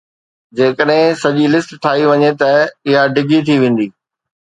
جيڪڏهن سڄي لسٽ ٺاهي وڃي ته اها ڊگهي ٿي ويندي.